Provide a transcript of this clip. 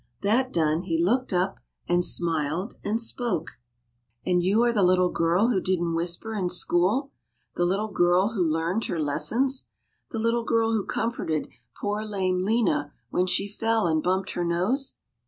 That done he looked up and smiled and spoke : And you are the little girl who didn't whisper in school ? the little girl who learned her lessons ? the lit tle girl who comforted poor lame Lena when she fell and bumped her nose